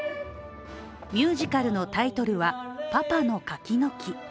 ミュージカルのタイトルは「パパの柿の木」。